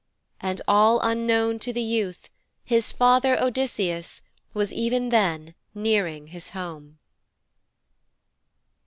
And all unknown to the youth, his father, Odysseus, was even then nearing his home.